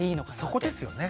そこですよね。